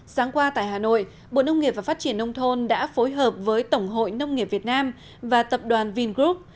sáng qua tại hà nội bộ nông nghiệp và phát triển nông thôn đã phối hợp với tổng hội nông nghiệp việt nam và tập đoàn vingroup